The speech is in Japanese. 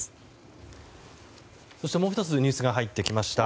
もう１つニュースが入ってきました。